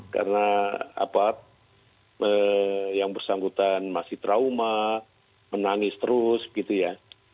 karena apa yang bersangkutan masih trauma menangis terus gitu ya